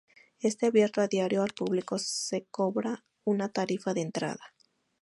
Está abierto a diario al público, se cobra una tarifa de entrada.